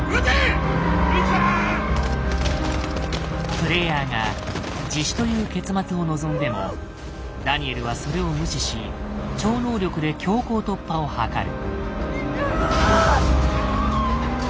プレイヤーが自首という結末を望んでもダニエルはそれを無視し超能力で強行突破を図る。